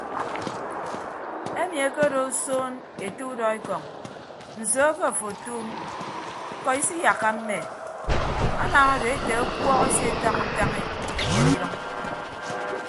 Emi ekedo osoon ete udọekọñ nso ke afo otuum ñkọ isiyakka mme anam ado ete ọkuọk asetañ utañ ekere idʌñ.